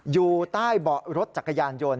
อยู่ใต้เบาะรถจักรยานยนต์